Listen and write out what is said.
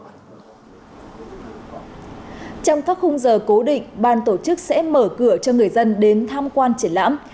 trong các khung giờ cố định ban tổ chức sẽ mở cửa cho người dân đến tham quan triển lãm